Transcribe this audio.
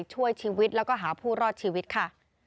ช่วยชีวิตแล้วก็หาผู้รอดชีวิตค่ะ